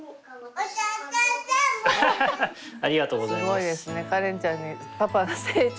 すごいですね。